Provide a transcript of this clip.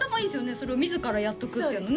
それを自らやっとくっていうのね